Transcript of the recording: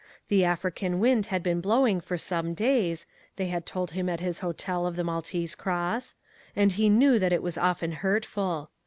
The African wind had been blowing for some days (they had told him at his hotel of the Maltese Cross), and he knew that it was often hurtful.